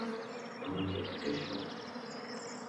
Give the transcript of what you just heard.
আমাকে একটু সময় দাও।